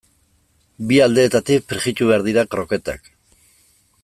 Bi aldeetatik frijitu behar dira kroketak.